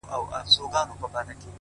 • سیاه پوسي ده ـ ورته ولاړ یم ـ